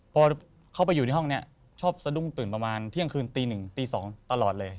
พอเข้าไปอยู่ในห้องนี้ชอบสะดุ้งตื่นประมาณเที่ยงคืนตี๑ตี๒ตลอดเลย